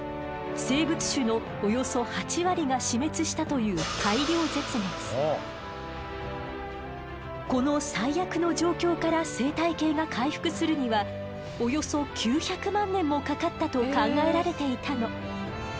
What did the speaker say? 生物種のおよそ８割が死滅したというこの最悪の状況から生態系が回復するにはおよそ９００万年もかかったと考えられていたの。